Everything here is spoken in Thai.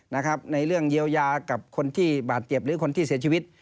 ในเรื่องเยียวยากับคนที่บาดเจ็บหรือคนที่เสียชีวิต